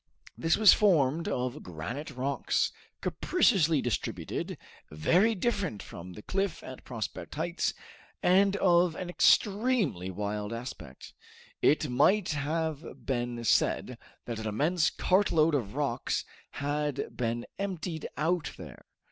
This was formed of granite rocks, capriciously distributed, very different from the cliff at Prospect Heights, and of an extremely wild aspect. It might have been said that an immense cartload of rocks had been emptied out there.